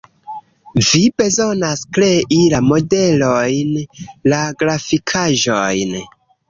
Vi bezonas krei la modelojn, la grafikaĵojn